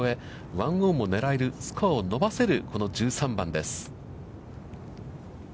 ワンオンもねらえる、スコアを伸ばせるこの１３番です。